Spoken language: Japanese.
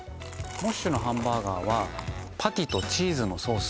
ｍｏｓｈのハンバーガーはパティとチーズのソース